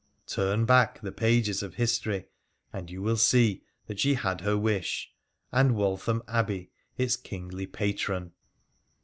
Turn back the pages of history, and you will see that she had her wish, and Waltham Abbey its kingly patron.